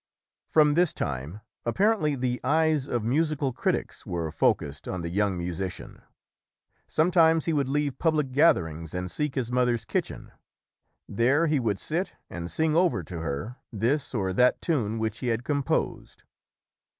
From this time apparently the eyes of musical critics were focused on the young musician. Some times he would leave public gatherings and seek his mother's kitchen. There he would sit and sing over to her this or that tune which he had composed.